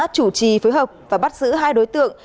chủ trì phối hợp và bắt giữ hai đối tượng